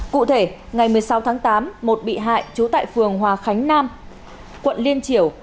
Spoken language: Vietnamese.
cụ thể ngày một mươi sáu tháng tám một bị hại trú tại phường hòa khánh nam quận liên triểu